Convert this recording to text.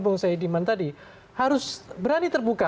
bang saidiman tadi harus berani terbuka